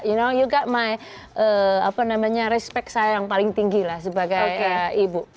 i know yoga my apa namanya respect saya yang paling tinggi lah sebagai ibu